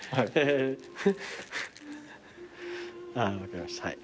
あぁ分かりましたはい。